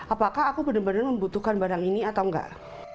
apakah aku benar benar membutuhkan barang ini atau enggak